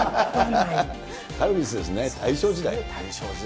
カルピスですね、大正時代。